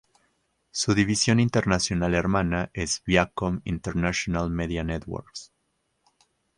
Su división internacional hermana es Viacom International Media Networks.